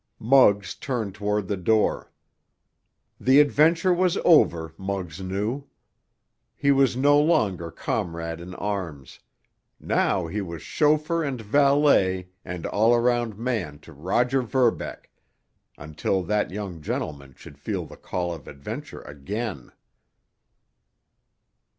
Muggs turned toward the door. The adventure was over, Muggs knew. He was no longer comrade in arms—now he was chauffeur and valet and all around man to Roger Verbeck—until that young gentleman should feel the call of adventure again.